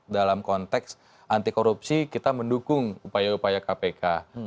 dalam konteks anti korupsi kita mendukung upaya upaya kpk